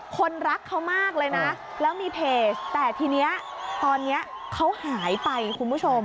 คนรักเขามากเลยนะแล้วมีเพจแต่ทีนี้ตอนนี้เขาหายไปคุณผู้ชม